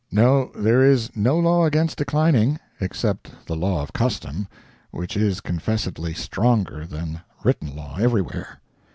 No, there is no law against declining except the law of custom, which is confessedly stronger than written law, everywhere.